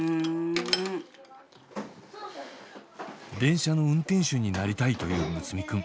電車の運転手になりたいという睦弥くん。